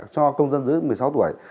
cho công dân dưới một mươi sáu tuổi